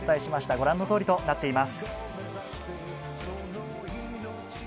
ご覧のとおりとなっています。